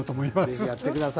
ぜひやって下さい。